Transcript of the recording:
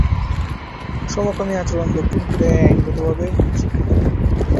সমকামি আচরণ দক্ষিণ কোরিয়ায় আইনগতভাবে স্বীকৃত।